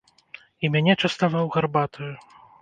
І мяне частаваў гарбатаю.